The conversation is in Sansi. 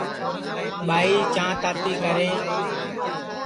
ٻائی چاں تاتی کرئے